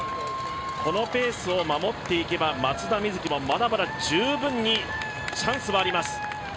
このペースを守っていけば松田瑞生はまだまだ、十分にチャンスはあります。